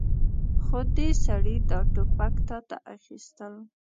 خو دې سړي دا ټوپک تاته اخيستل.